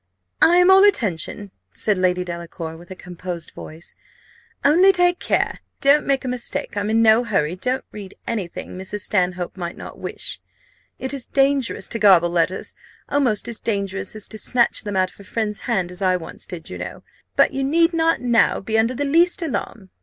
"I am all attention," said Lady Delacour, with a composed voice; "only take care, don't make a mistake: I'm in no hurry; don't read any thing Mrs. Stanhope might not wish. It is dangerous to garble letters, almost as dangerous as to snatch them out of a friend's hand, as I once did, you know but you need not now be under the least alarm."